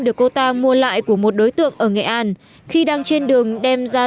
được cô ta mua lại của một đối tượng ở nghệ an khi đang trên đường đem ra